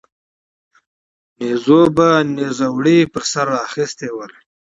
نيزو به نيزوړي پر سر را اخيستي ول